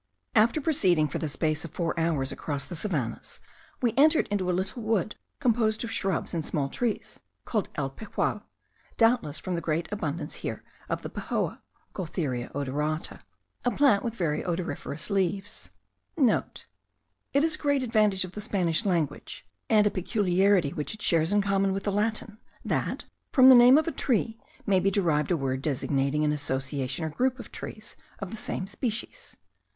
After proceeding for the space of four hours across the savannahs, we entered into a little wood composed of shrubs and small trees, called el Pejual; doubtless from the great abundance here of the pejoa (Gaultheria odorata), a plant with very odoriferous leaves.* (* It is a great advantage of the Spanish language, and a peculiarity which it shares in common with the Latin, that, from the name of a tree, may be derived a word designating an association or group of trees of the same species.